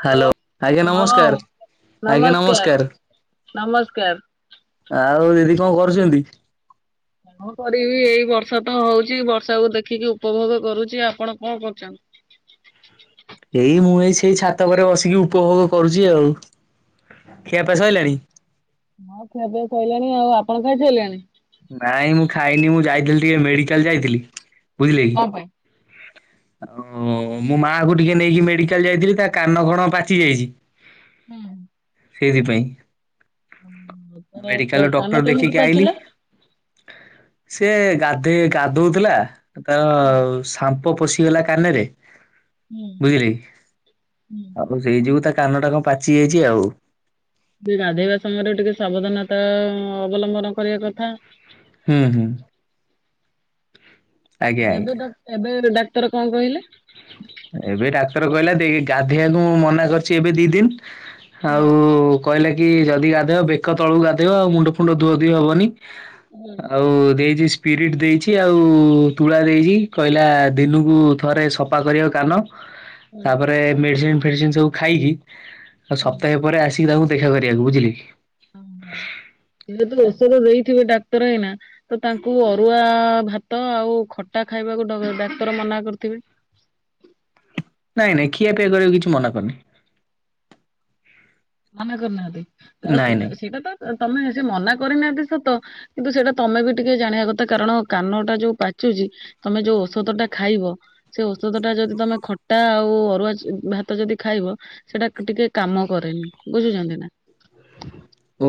Hello ଆଜ୍ଞା ହଁ ନମସ୍କାର ଆଜ୍ଞା ନମସ୍କାର। ନମସ୍କାର। ଆଉ ଦିଦି କଣ କରୁଛନ୍ତି? କଣ କରିବି ଏଇ ବର୍ଷା ତ ହଉଛି ବର୍ଷାକୁୁ ଦେଖିକି ଉପଭୋଗ କରୁଛି ଆପଣ କଣ କରୁଛନ୍ତି? ଏଇ ମୁଁ ଏଇ ସେଇ ଛାତଉପରେ ବସିକି ଉପଭୋଗ କରୁଛି ଆଉ ଖିଆପିଆ ସରିଲାଣି? ହଁ ଖିଆ ପିଆ ସରିଲାଣି ଆଉ ଆପଣ ଖାଇ ସାଇଲେଣି? ନାଇଁ ମୁଁ ଖାଇନି ମୁଁ ଯାଇଥିଲି ଟିକେ ମେଡିକାଲ ଯାଇଥିଲି ବୁଝିଲେ କି। କଣ ପାଇଁ? ଓ ମୋ ମାଆ କୁ ଟିକେ ନେଇକି ମେଡିକାଲ ଯାଇଥିଲି ତା କାନ କଣ ପାଚି ଯାଇଛି। ହୁଁ। ସେଇଥିପାଇଁ ତ ମେଡିକାଲରୁ କାନ ଡକ୍ଟର କେମିତି ଦେଖିକି ପାଚିଲା? ଆଇଲି ସିଏ ଗାଧୋଇ ଗାଧଉଥିଲା ହୁଁ ତାର ସାମ୍ପ ପଶିଗଲା କାନରେ ହୁଁ ବୁଝିଲି ହୁଁ। ସେଇ ଯୋଗୁ ତା କାନ ଟା କଣ ପାଚିଯାଇଛି ଆଉ। ଟିକ ଗାଧୋଇବା ସମୟରେ ଟିକେ ସାବଧାନତା ଅବଲମ୍ବନ କରିବା କଥା। ହୁଁ ହୁଁ। ଆଜ୍ଞା ଆଜ୍ଞା। ଏବେ ତ ଏବେ ଡାକ୍ତର କଣ କହିଲେ? ଏବେ ଡାକ୍ତର କହିଲାଦିଇ ଗାଧେଇବାକୁ ମୁଁ ମନା କରିଛି ଏବେ ଦି ଦିନ। ହୁଁ ହାଉ କହିଲେ କି ଯଦି ଗାଧେଇବ ବେକ ତଳକୁ ଗାଧେଇବା ଆଉ ମୁଣ୍ଡ ଫୁଣ୍ଡ ଧୁଅଧୁଇ ହବନି। ହୁଁ ଆଉ ଦେଇଚି ସ୍ପିରିଟ୍ ଦେଇଛି ଆଉ ତୁଳା ଦେଇଛି କହିଲା ଦିନକୁ ଥରେ ସ ପା କରିବାକୁ କାନ ହୁଁ ତାପରେ ମେଡିସିନ ଫେଡିସିନ ସବୁ ଖାଇକି। ଆଉ ହୁଁ। ସପ୍ତାହେ ପରେ ଆସିକି ତାଙ୍କୁ ଦେଖା କରିବାକୁ ବୁଝିଲେ କି? ଏବେ ତ ଔଷଧ ଦେଇଥିବ ଡାକ୍ତର ହେଇନା। ତ ତାଙ୍କୁ ଅରୁଆ ଭାତ ଆଉ ଖଟା ଖାଇବାକୁ ଡ ଅ ଡାକ୍ତର ମନା କରିଥିବେ। ନାଇଁ ନାଇଁ ଖିଆ ପିଆ କରିବାକୁ କିଛି ମନା କରୁନି। ମନା ନାଇଁ ନାଇଁ। କରିନାହାନ୍ତି ସେଇଟା ତ ତମେ ସେ ମନା କରିନାହାନ୍ତି ସତ। କିନ୍ତୁ ସେଇଟା ତମେ ବି ଟିକେ ଜାଣିବା କଥା କାରଣ କାନଟା ଯୋଉ ପାଚୁଛି। ତମେ ଯୋଉ ଔଷଧ ଟା ଖାଇବ। ସେ ଔଷଧ ଟା ଯଦି ତମେ ଖଟା ଆଉ ଅରୁଆ ଚି ଭାତ ଯଦି ଖାଇବ। ସେଟା ଟିକେ କାମ କରେନି। ବୁଝୁଛନ୍ତି ନା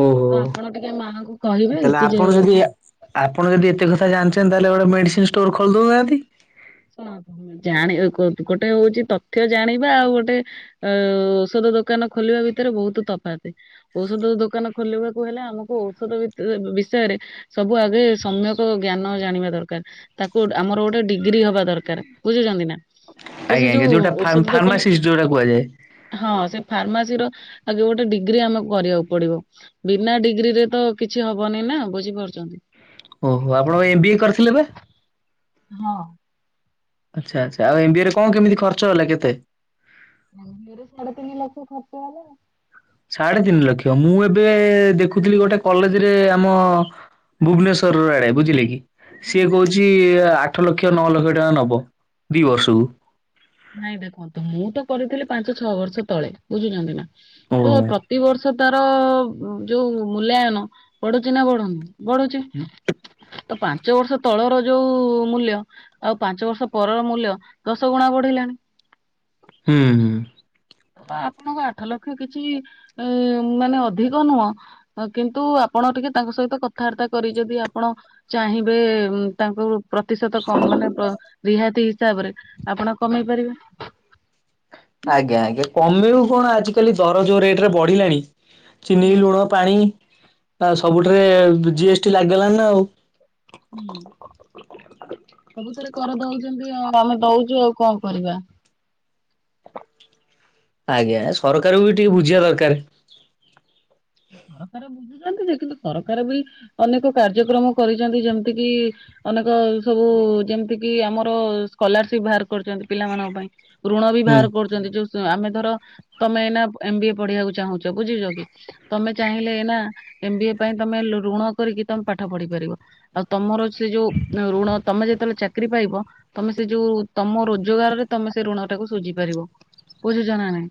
ଓହୋ ଆପଣ ତ ଟିକେ ମାହାଆଙ୍କୁ କହିବେ ତାହେଲେ କି ଯେ ଆପଣ ଯଦି ଆପଣ ଯଦି ଏତେ କଥା ଜାଣିଛନ୍ତି ତାହେଲେ ଗୋଟେ ମେଡିସିନ ଷ୍ଟୋର ଖୋଲି ଦଉନାହାନ୍ତି। ହ ଜାଣିଗୋ ଗୋଟେ ହଉଛି ତଥ୍ୟ ଜାଣିବା ଆଉ ଗୋଟେ ଅ ଔଷଧ ଦୋକାନ ଖୋଲିବା ଭିତରେ ବହୁତ ତଫାତ୍ ଔଷଧ ଦୋକାନ। ଖୋଲିବାକୁ ହେଲେ ଆମକୁ ଔଷଧ ବିଷୟରେ ସବୁ ଆଗେ ସମ୍ୟକ ଜ୍ଞାନ ଜାଣିବା ଦରକାର ତାକୁ ଆମର ଗୋଟେ ଡିଗ୍ରୀ ହବା ଦରକାର ବୁଝୁଛନ୍ତି ନା ତ ଆଜ୍ଞା ସେ ଆଜ୍ଞା ଯୋଉ ଯୋଉଟା ଔଷଧ ଫାର୍ମାସିଷ୍ଟ ଦୋକାନ ଯୋଉଟା କୁହାଯାଏ। ହଁ ସେ ଫାର୍ମାସି ର ଆ ଯୋଉ ଗୋଟେ ଡିଗ୍ରୀ ଆମକୁ କରିବାକୁ ପଡିବ। ବିନା ଡିଗ୍ରୀ ରେ ତ କିଛି ହବନି ନା ବୁଝିପାରୁଛନ୍ତି। ଓହୋ ଆପଣ ଏମ୍ ବି ଏ କରିଥିଲେ ବା? ହଁ। ଆଚ୍ଛା ଆଚ୍ଛା ଆଉ ଏମ୍ ବି ଏ ରେ କଣ କେମିତି ଖର୍ଚ ହେଲା କେତେ? ଏମ୍ ବି ଏ ରେ ସାଢ଼େ ତିନି ଲକ୍ଷ ଖର୍ଚ୍ଚ ହେଲା। ସାଢେ ତିନି ଲକ୍ଷ ମୁଁ ଏବେ ଦେଖୁଥିଲି ଗୋଟେ କଲେଜରେ ଆମ ଭୁବନେଶ୍ୱର ର ଆଡେ ବୁଝିଲେ କି? ସିଏ କହୁଛି ଆଠ ଲକ୍ଷ ନଅ ଲକ୍ଷ ଟଙ୍କା ନବ ଦି ବର୍ଷକୁ। ନାଇଁ ଦେଖନ୍ତୁ ମୁଁ ତ କରିଥିଲି ପାଞ୍ଚ ଛଅ ବର୍ଷ ତଳେ ବୁଝୁଛନ୍ତି ନା ଓହୋ। ତ ପ୍ରତିବର୍ଷ ସେ ତାର ଯୋଉ ମୂଲ୍ୟାୟନ ବଢୁଛି ନା ବଢୁନି। ବଢୁଛି ହୁଁ ତ ପାଞ୍ଚ ବର୍ଷ ତଳର ଯୋଉ ମୂଲ୍ୟ ଆଉ ପାଞ୍ଚ ବର୍ଷ ପରର ମୂଲ୍ୟ ଦଶ ଗୁଣା ବଢିଲାଣି। ହୁଁ ହୁଁ। ଆପଣଙ୍କ ଆଠ ଲକ୍ଷ କିଛି ମାନେ ଅଧିକ ନୁହଁ। ହଁ କିନ୍ତୁ ଆପଣ ଟିକେ ତାଙ୍କ ସହିତ କଥାବାର୍ତ୍ତା କରି ଯଦି ଆପଣ ଚାହିଁବେ ତାଙ୍କୁ। ପ୍ରତିଶତ କମ୍ ମାନେ ପ ରିହାତି ହିସାବରେ ଆପଣ କମେଇ ପାରିବେ। ଆଜ୍ଞା ଆଜ୍ଞା କମେଇବୁ କଣ ଆଜିକାଲି ଦର ଯୋଉ ରେଟ ରେ ବଢିଲାଣି ଚିନି ହୁଁ ଲୁଣ। ପାଣି ଆ ସବୁଠେରେ ଜି ଏସ୍ ଟି ଲାଗି ଗଲାଣି ନା ଆଉ। ହୁଁ। ସବୁଥେରେ କରଦଉଚନ୍ତି ଆଉ ଆମେ ଦଉଚୁ ଆଉ କଣ କରିବା? ଆଜ୍ଞା ସରକାରଙ୍କୁ ବି ଟିକେ ବୁଝିବା ଦରକାର। ସରକାର ବୁଝୁଚନ୍ତି ଯେ କିନ୍ତୁ ସରକାର ବି ଅନେକ କାର୍ଯ୍ୟକ୍ରମ କରିଚନ୍ତି ଯେମିତି କିି ଅନେକ ସବୁ ଯେମିତି କି ଆମର ସ୍କଲାରସିପ ବାହାର କରିଚନ୍ତି ପିଲାମାନଙ୍କ ପାଇଁ। ଋଣ ବି ହୁଁ ବାହାର କରୁ ଚନ୍ତି ଯଉ ଆମେ ଧର ତମେ ନା ଏମ ବି ଏ ପଢିବାକୁ ଚାହୁଁଛ ବୁଝିଛ କି? ତମେ ଚାହିଁଲେ ଏନା ଏମ ବି ଏ ପାଇଁ ତମେ ଋଣ କରିକି ତମେ ପାଠ ପଢି ପାରିବ। ଆଉ ତମର ସେ ଯୋଉ ଋଣ ତମେ ଯେତେବେଳେ ଚାକିରି ପାଇବ। ତମେ ସେ ଯୋଉ ତମ ରୋଜଗାର ରେ ତମେ ସେ ଋଣ ଟାକୁ ସୁଝି ପାରିବ ବୁଝୁଛ ନା ନାଇଁ।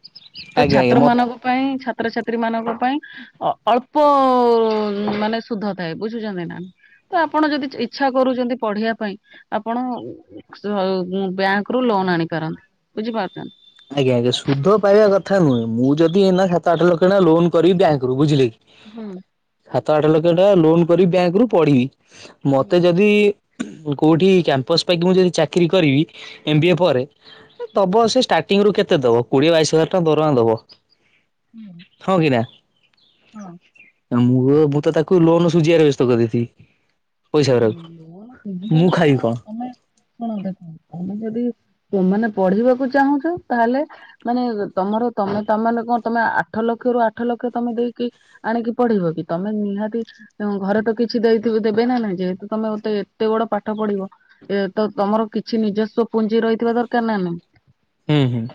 ତ ଆଜ୍ଞା ଆଜ୍ଞା ଛାତ୍ର ମତେ ମାନଙ୍କ ପାଇଁ ଛାତ୍ରଛାତ୍ରୀ ମାନଙ୍କ ପାଇଁ। ଅଳ୍ପ ମାନେ ଶୁଧ ଥାଏ ବୁଝୁଛନ୍ତି ନା? ତ ଆପଣ ଯଦି ଇଚ୍ଛା କରୁଚନ୍ତି ପଢିବା ପାଇଁ ଆପଣ ବ୍ୟାଙ୍କ ରୁ ଲୋନ୍ ଆଣିପାରନ୍ତି ବୁଝିପାରୁଚ। ଆଜ୍ଞା ଆଜ୍ଞା ସୁଧ ପାଇବା କଥା ନୁହେଁ ମୁଁ ଯଦି ଏଇନା ସାତ ଆଠ ଲକ୍ଷ ଟଙ୍କା ଲୋନ କରିବି ବ୍ୟାଙ୍କରୁ ବୁଝିଲେ କି? ହୁଁ। ସାତ ଆଠ ଲକ୍ଷ ଟଙ୍କା ଲୋନ କରି ବ୍ୟାଙ୍କ ରୁ ପଢିବି ମତେ ଯଦି କୋଉଠି କ୍ୟାମ୍ପସ ପାଇକି ମୁଁ ଯଦି ଚାକିରି କରିବି ଏମବିଏ ପରେ ଦବ ସେ ଷ୍ଟାର୍ଟିଂ ରୁ କେତେ ଦବ କୋଡିଏ ବାଇଶି ହଜାର ଟଙ୍କା ଦରମା ଦବ। ହୁଁ। ହଁକି ନା। ହଁ। ମୋ ମୁଁ ତ ତାକୁ ଲୋନ ସୁଝିବାରେ ବ୍ୟସ୍ତ କରି ଦେଇଥିବି। ପଇସା ନାଇଁ ନାଇଁ ଲୋନ ଗୁରାକୁ ସୁଝିବାରେ ମୁଁ ଖାଇବି କଣ? ତମେ ଶୁଣ ଦେଖ ତମେ ଯଦି ମାନେ ପଢିବାକୁ ଚାହୁଁଚ ତାହେଲେ ମାନେ ତମର ତମେ ତମେ ମାନେ କଣ ତମେ ଆଠ ଲକ୍ଷ ରୁ ଆଠ ଲକ୍ଷ ତମେ ଦେଇକି ଆଣିକି ପଢିବ କି ତମେ ନିହାତି ଘରେ ତ କିଛି ଦେଇଥିବ ଦେବେ ନା ନାଇଁ। ଯେହେତୁ ତମେତେ ଏତେ ବଡ଼ ପାଠ ପଢି଼ବ। ଏ ତ ତମର କିଛି ନିଜସ୍ୱ ପୁଞ୍ଜି ରହିଥିବା ଦରକାର ନା ନାଇଁ। ହୁଁ ହୁଁ।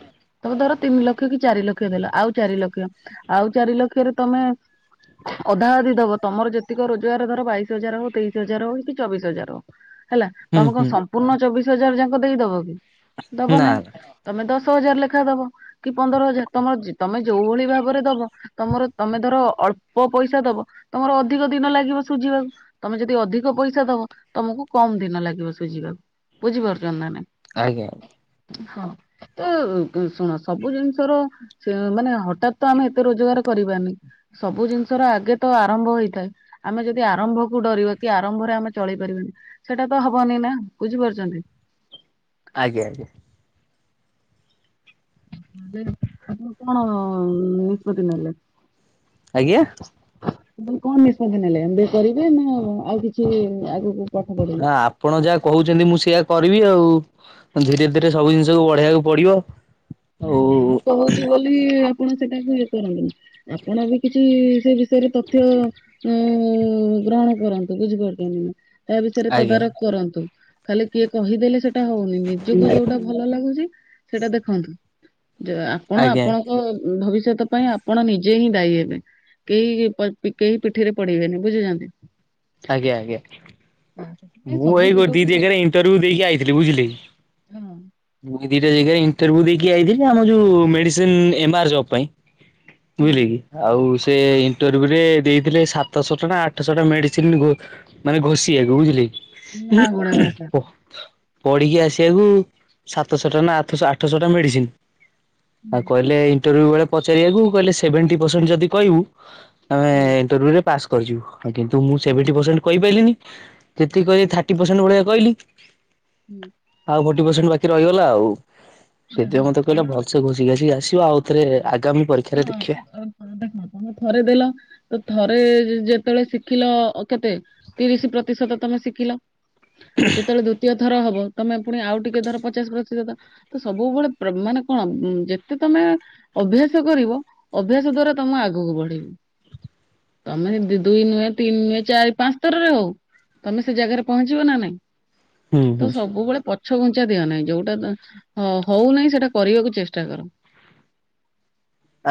ତମେ ଧର ତିନି ଲକ୍ଷ କି ଚାରି ଲକ୍ଷ ଦେଲ ଆଉ ଚାରିିଲକ୍ଷ ଆଉ ଚାରି ଲକ୍ଷରେ ତମେ ଅଧା ଅଧି ଦବ ତମର ଯେତିକ ରୋଜଗାର ଧର ବାଇଶ ହଜାର ହଉ ତେଇଶି ଶି ହଜାର ହଉ କି ଚବିଶ ହଜାର ହଉ ହେଲା ତମେ ହୁଁ କଣ ହୁଁ ସମ୍ପୂର୍ଣ୍ଣ ଚବିଶ ହଜାର ଯାକ ଦେଇଦବ କି। ଦବ ନା ନାଇଁ ନା ତମେ ଦଶ ହଜାର ଲେଖା ଦବ। କି ପନ୍ଦର ହଜାର୍ ତମର ତମେ ଯୋଉ ଭଳି ଭାବରେ ଦବ ତମର ତମେ ଧର ଅଳ୍ପ ପଇସା ଦବ ତମର ଅଧିକ ଦିନ ଲାଗିବ ସୁଝିବାକୁ ତମେ ଯଦି ଯଦି ଅଧିକ ପଇସା ଦବ ତମକୁ କମ ଦିନ ଲାଗିବ ସୁଝିବାକୁ ବୁଝି ପାରୁ ନା ନାଇଁ। ଆଜ୍ଞା ଆ୍ ହଁ ତ ଶୁଣ ସବୁ ଜିନିଷର ସେ ମାନେ ହଠାତ୍ ତ ଆମେ ଏତେ ରୋଜଗାର କରିବାନି। ସବୁ ଜିନିଷର ଆଗେ ତ ଆରମ୍ଭ ହେଇଥାଏ ଆମେ ଯଦି ଆରମ୍ଭକୁ ଡରିବା। କି ଆରମ୍ଭରେ ଆମେ ଚଳେଇ ପାରିବନି ସେଟା ତ ହବନି ନା ବୁଝିପାରୁଛନ୍ତି। ଆଜ୍ଞା ଆଜ୍ଞା। ଆପଣ କଅଣ ନିଷ୍ପତ୍ତି ନେଲେ। ଆଜ୍ଞା। ଲେ କଣ ନିଷ୍ପତ୍ତି ନେଲେ ଏବେ କରିବେ ନା ଆଉ କିଛି ଆଗକୁ ପାଠ ପଢିବେ? ହ ଆପଣ ଯାହା କହୁଛନ୍ତି ମୁଁ ସେଇଆ କରିବି ଆଉ। ଧୀରେ ଧୀରେ ସବୁ ଜିନିଷକୁୁ ବଢେଇବାକୁ ପଡି଼ବ। ନାଇଁ ମୁଁ କହୁଛି ବୋଲି ଆପଣ ସେଟାକୁ ଇଏ କରନ୍ତୁନି। ଆପଣବେ କିଛି ସେ ବିଷୟରେ ତତ୍ ତଥ୍ୟ ଗ୍ରହଣ କରନ୍ତୁ ବୁଝିପାରୁଛନ୍ତି ନା ତା ବିଷୟରେ ଆଜ୍ଞା ତଦାରଖ୍ କରନ୍ତୁ। ଖାଲି କିଏ କହିଦେଲେ ସେଟା ହଉନି ନିଜକୁ ଯୋଉଟା ଭଲ ଲାଗୁଛି ସେଇଟା ଦେଖନ୍ତୁ। ଯେ ଆପଣ ଆଜ୍ଞା। ଆପଣଙ୍କ ଭବିଷ୍ୟତ ପାଇଁ ଆପଣ ନିଜେ ହିଁ ଦାୟୀ ହେବେ। କେହି କେହି ପିଠିରେ ପଡ଼ିବେନି ବୁଝିଛନ୍ତି। ଆଜ୍ଞା ଆଜ୍ଞା। ସେଥିପାଇଁ ମୁଁ ସବୁ ଏଇ ଗୋ ଦି ଦିଗକୁ ସ ଜାଗାରେ ଇଣ୍ଟରବିୟ୍ୟୁ ଦେଇକି ଆଇଥିଲି ବୁଝିଲେ କି। ହଁ ମୁଁ ଏଇ ଦିଟା ଜାଗାରେ ଇଣ୍ଟର୍ୟୁ ଦେଇକି ଆଥିଲି ଆମ ଯୋଉ ମେଡିସିନ ଏମ୍ ଆର୍ଲ ଜବ୍ ପାଇଁ। ବୁଝିଲେ ହୁଁ, କି ଆଉ ସେ ଇଣ୍ଟରୁରେ ଦେଇଥିଲେ ସାତଶହ ଟା ଆଠଶହ ଟା ମେଡିସିନ ଘୋ ମାନେ ଘୋଷି ଆକୁ ବୁଝିଲେକି ନା ଗୁଡା ଉହୁଁ ଘସା। ଓହୋ ପଢ଼ିକି ଆସିବାକୁ ସାତଶହ ଟା ନା ଆଠଶହ ଟା ମେଡ଼ିସିନ୍। ଆଉ ହୁଁ କହିଲେ ଇଣ୍ଟରଭ୍ୟୁ ବେଳେ ପଚାରିବାକୁ କହିଲେ ସେଭେଣ୍ଟି ପର୍ସେଣ୍ଟ ଯଦି କହିବୁ ଆମେ ହୁଁ ଇଣ୍ଟରୁରେ ପାସ୍ କରିୁଯିବୁ କିନ୍ତୁ ମୁଁ ହୁଁ ସେଭେନ୍ଟି ପର୍ସେଣ୍ଟ୍ କହିପାରିଲିନି। ଯେତିକି କହିଲେ ଥାର୍ଟି ପର୍ସେଣ୍ଟ ଭଳିଆ କହିଲି। ହୁଁ। ଆଉ ଫୋର୍ଟି ପର୍ସେଣ୍ଟ୍ ବାକି ରହିଗଲା ଆଉ ନା ସେଥିପାଇଁ ହଁ ମତେ କହିଲା କାରଣ ଭଲସେ ଘୋସି ସିକିଆସିକି ଆସିବ ଆଉଥରେ ଆଗାମୀ ପରୀକ୍ଷାକୁ ଅଁ [unintelligible] ହଁ ଦେଖ ତମେ ଥରେ ଦେଲ ତ ଥରେ ଯେତେବେଳେ ଶିଖିଲ କେତେ? ତିରିଶ ପ୍ରତିଶତ ତମେ ଶିଖିଲ, ଯେତେବେଳେ ଦୁତୀୟ ଥର ହବ ତମେ ପୁଣି ଆଉ ଟିକେ ଧର ପଚାଶେ ପ୍ରତିଶତ ତ ସବୁବେଳେ ପ୍ରମ ମାନେ କଣ ଯେତେ ତମେ ଅଭ୍ୟାସ ସ କରିବ ଅଭ୍ୟାସ ଦ୍ଵାରା ତମେ ଆଗକୁ ବଢି଼ବ। ତମେ ଦୁ-ଦୁଇ ନୁହେଁ ତିନି ନୁହେଁ ଚାରି ପାଞ୍ଚ ଥରରେ ହଉ। ତମେ ସେ ଜାଗାରେ ପହଞ୍ଚିବ ନା ନାଇଁ ହୁଁ ତ ହୁଁ। ସବୁବେଳେ ପ ପଛଘୁଞ୍ଚା ଦିଅ ନାହିଁ ଯୋଉଟା ହଉନାହିଁ ସେଟା କରିବାକୁ ଚେଷ୍ଟା କର।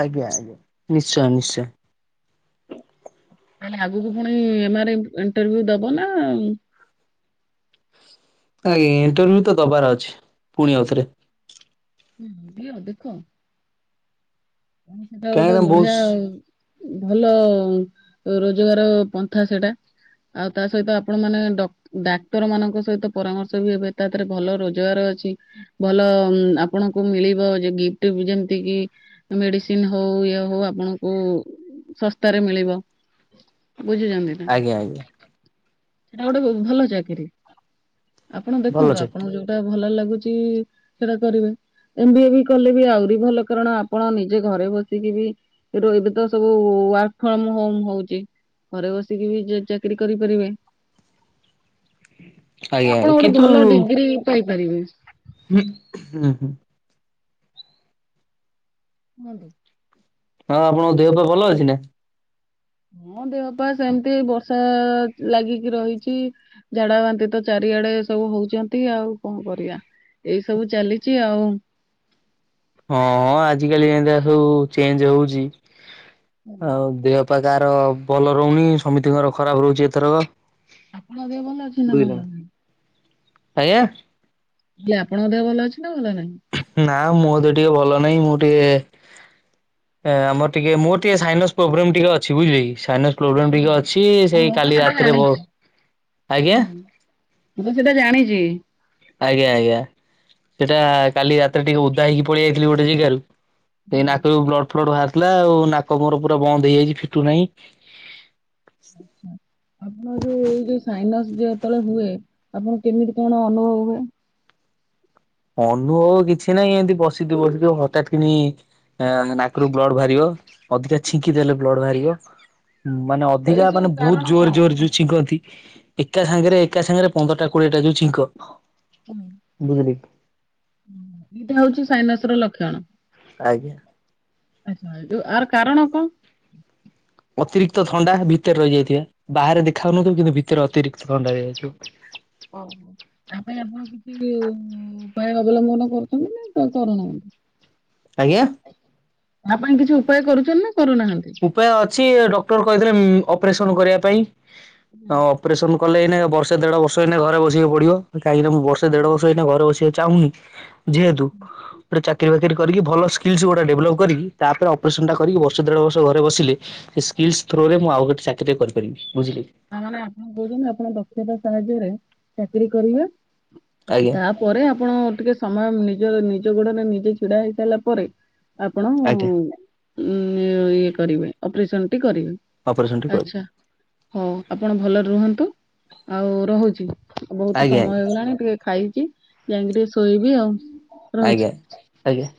ଆଜ୍ଞା ଆଜ୍ଞା ନିଶ୍ଚୟ ନିଶ୍ଚୟ। ତାହେଲେ ଆଗକୁ ଫୁଣି ଏମାର ଇଣ୍ଟରଭ୍ୟୁ ଦବ ନା? ଆଜ୍ଞା ଇଣ୍ଟରଭ୍ୟୁ ତ ଦବାର ଅଛି ପୁଣି ଆଉଥରେ। ହୁଁ ଦିଅ ଦେଖ। ଉଁ ସେଟା ଗୋଟେ କାହିଁକିନା ବହୁତ ବଢିଆ ଆଉ। ଭଲ ରୋଜଗାର ପନ୍ଥା ସେଟା। ଆଉ ତା ସହିତ ଆପଣ ମାନେ ଡ ଡାକ୍ତର ମାନଙ୍କ ସହିତ ପରାମର୍ଶ ବି ହେବେ ତା ଦେହରେ ଭଲ ରୋଜଗାର ଅଛି। ଭଲ ଆପଣଙ୍କୁ ମିଳିବ ଯୋଉ ଗିଫ୍ଟ ଏବେ ଯେମତି କି ମେଡିସିନ ହଉ ଇଏ ହଉ ଆପଣଙ୍କୁ ଶସ୍ତାରେ ମିଳିବ। ବୁଝିଚନ୍ତି ନା ଆଜ୍ଞା ଆଜ୍ଞା ସେଟା ଗୋଟେ ବହୁତ୍ ଭଲ ଚାକିରୀ। ଆପଣ ଭଲ ଦେଖନ୍ତୁ ଅଛି ଆପଣଙ୍କୁ ଯୋଉ ତ ଭଲ ଲାଗୁଚି ସେଟା କରିବେ। ଏମ୍ ବି ଏ ବି କଲେ ବି ଆଉରି ଭଲ କାରଣ ଆପଣ ନିଜେ ଘରେ ବସିକି ବି ଏବେ ତ ସବୁ ୱାର୍କ ଫ୍ରମ ହୋମ ହଉଚି। ଘରେ ବସିକି ବି ଯେ ଚାକିରି କରିପାରିବେ। ଆଜ୍ଞା ଆ କିନ୍ତୁ ପାଇପାରିବେନି। ହୁଁ ହୁଁ ହୁଁ। ନୁହଁନ୍ତି। ହଁ ଆପଣଙ୍କ ଦେହପା ଭଲ ଅଛି ନା? ହଁ ଦେହପା ସେମତି ବର୍ଷା ଲାଗିକି ରହିଚି। ଝାଡା ବାନ୍ତି ତ ଚାରିଆଡେ ସବୁ ହଉଚନ୍ତି ଆଉ କଣ କରିଆ? ଏଇ ସବୁ ଚାଲିଚି ଆଉ। ହଁ ହଁ ଆଜିକାଲି ଏନ୍ତିଆ ସବୁ ଚେଞ୍ଜ ହଉଚି ଆଉ ଦେହ ପା କାହାର ଭଲ ରହୁନି। ସମିତିଙ୍କର ଖରାପ ରହୁଚି ଏଥରକ। ତମ ଦେହ ଭଲ ଅଛି ନା ଭଲ ନାହିଁ। ଆଜ୍ଞା। ହେଲେ ଆପଣଙ୍କ ଦେହ ଭଲ ଅଛି ନା ଭଲ ନାହିଁ? ନା ମୋ ଦେହ ଟିକେ ଭଲ ନାହିଁ ମୁଁ ଟିକେ ଆମର ଟିକେ ମୋର ଟିକେ ସାଇନସ୍ ପୋବ୍ରେମ୍ ଟିକେ ଅଛି ବୁଝିଲେକି ସାଇନସ୍ ପ୍ରୋବ୍ଲେମ ଟିକେ ମୁଁ ଅଛି, ସେଇ କାଲି ସେଟା ରାତିରେ ଜାଣିଛି। ବ ଅ ଆଜ୍ଞା ହୁଁ। ମୁଁ ତ ସେଇଟା ଜାଣିଚି। ଆଜ୍ଞା ଆଜ୍ଞା ସେଇଟା କାଲି ରାତିରେ ଟିକେ ଉଦା ହେଇକି ପଳେଇ ଆଇଥିଲି ଗୋଟେ ଜେଗାରୁ ସେଇ ହୁଁ ନାକରୁ ବ୍ଲଡ ଫ୍ଲଡ ବାହାରିଥିଲା। ଆଉ ନାକ ମୋର ପୁରା ବନ୍ଦ ହେଇଯାଇଚି ଫିଟୁ ନାହିଁ। ଆପଣ ଯୋଉ ଏଇ ଯୋଉ ସାଇନସ୍ ଯେତେବେଳେ ହୁଏ ଆପଣ କେମିତି କଣ ଅନୁଭବ ହୁଏ? ଅନୁଭବ କିଛି ନାହିଁ। ଏମିତି ବସିଥିବ ବସିଥିବ ହଠାତ୍ କିନି ଆଁ ନାକରୁ ବ୍ଲଡ ବାହାରିବ ଅଧିକା ଛିଙ୍କି ଦେଲେ ବ୍ଲଡ ବାହାରିବ। ଉଁ ମାନେ ଏଇ ଅଧିକା ସବୁ ମାନେ ବହୁତ୍ କାରଣ ଜୋରେ କଣ? ଜୋରେ ଯୋ ଛିଙ୍କନ୍ତି ଏକା ସାଙ୍ଗରେ ଏକା ସାଙ୍ଗରେ ପନ୍ଦରଟା କୋଡିଏ ଟା ଯୋଉ ଛିଙ୍କ। ହ ବୁଝିଲେ କି ଏଇଟା ହଉଚି ସାଇନସ୍ ର ଲକ୍ଷଣ। ଆଜ୍ଞା। ଆଛା ଯୋଉ ଆର କାରଣ କଣ? ଅତିରିକ୍ତ ଥଣ୍ଡା ଭିତରେ ରହିଯାଇଥିବ। ବାହାରେ ଦେଖା ହଉନଥିବ କିନ୍ତୁ ଭିତରେ ଅତିରିକ୍ତ ଥଣ୍ଡା ହେଇଯାଇଥିବ। ଓ ହୋ। ତା ପାଇଁ ଆପଣ କିଛି ଉପାୟ ଅବଲମ୍ବନ କରୁଚନ୍ତି ନା କରୁନାହାନ୍ତି? ଆଜ୍ଞା। ତା ପାଇଁ କିଛି ଉପାୟ କରୁଚନ୍ତି ନା କରୁନାହାନ୍ତି? ଉପାୟ ଅଛି ଡକ୍ଟର କହିଥିଲେ ଉମ୍ ଅପରେସନ କରିବା ପାଇଁ। ହୁଁ ଅପରେସନ କଲେ ଏଇନେ ବର୍ଷେ ଦେଢ ବର୍ଷ ଏଇକିନେ ଘରେ ବସିବାକୁ ପିଡିବ। କାହିଁକି ନା ମୁଁ ବର୍ଷେ ଦେଢ ହୁଁ ବର୍ଷ ଏଇକିନା ଘରେ ବସିବା। ଚାହୁଁନୁ ଯେହେତୁ। ଗୋଟ ଚାକିରିଫାକିରି କରିକି ଭଲ ସ୍କିଲ୍ସ ଗୁଡା ଡେଭଲପ୍ କରିିକି ତାପରେ ଅପରେସନ୍ ଟା କରିକି ବର୍ଷେ ଦେଢ ବର୍ଷ ଘରେ ବସିଲେ ସେ ସ୍କିଲ ଥ୍ରୋରେ ମୁଁ ଆଉ ଗୋଟେ ଚାକିରି କରିପାରିବି ବୁଝିଲେ କି? ଆ ମାନେ ଆପଣ କହୁଛନ୍ତି ଆପଣ ଦକ୍ଷତା ସାହାଯ୍ୟରେ ଚାକିରି କରିବେ ଆଜ୍ଞା। ତା ପରେ ଆପଣ ଟିକେ ସମୟ ନିଜ ନିଜ ଗୋଡରେ ନିଜେ ଛିଡା ହେଇସାରିଲା ପରେ। ଆପଣ ନଂ ଆଜ୍ଞା ଇଏ କରିବେ ଅପରେସନ ଟି କରିବେ। ଅପରେସନଟି କରୁ। ଆଚ୍ଛା ହଉ ଆପଣ ଭଲରେ ରୁହନ୍ତୁ ଆଉ ରହୁଛି ବହୁତ ଆଜ୍ଞା ସମୟ ଆଜ୍ଞା ହେଇଗଲାଣି ଟିକେ ଖାଇଚି ଯାଇକି ଟିକେ ଶୋଇବି ଆଉ ରହୁଛି ଆଜ୍ଞା ଆଜ୍ଞା।